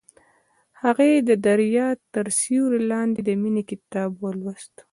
هغې د دریا تر سیوري لاندې د مینې کتاب ولوست.